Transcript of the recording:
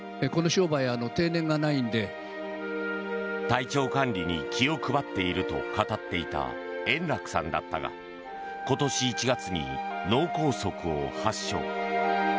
体調管理に気を配っていると語っていた円楽さんだったが今年１月に脳梗塞を発症。